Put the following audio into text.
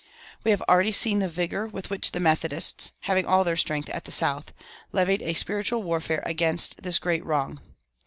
We have already seen the vigor with which the Methodists, having all their strength at the South, levied a spiritual warfare against this great wrong.